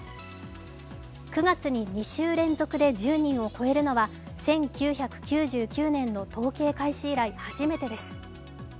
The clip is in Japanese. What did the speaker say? ９月に２週連続で１０人を超えるのは、１９９９年の統計開始以来、初めてです。